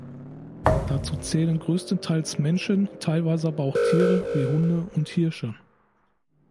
Dazu zählen größtenteils Menschen, teilweise aber auch Tiere wie Hunde und Hirsche.